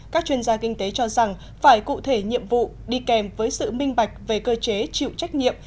các chuyên gia kinh tế cho rằng phải cụ thể nhiệm vụ đi kèm với sự minh bạch về cơ chế chịu trách nhiệm